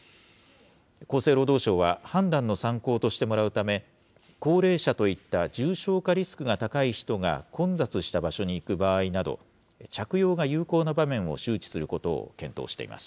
厚生労働省は、判断の参考としてもらうため、高齢者といった重症化リスクが高い人が、混雑した場所に行く場合など、着用が有効な場面を周知することを検討しています。